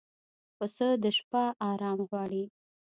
پسه د شپه آرام غواړي.